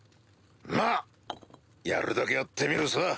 まっやるだけやってみるさ。